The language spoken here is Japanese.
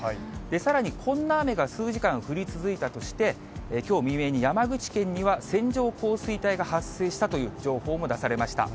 さらに、こんな雨が数時間降り続いたとして、きょう未明に山口県には線状降水帯が発生したという情報も出されました。